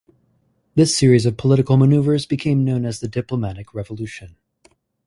This series of political maneuvers became known as the Diplomatic Revolution.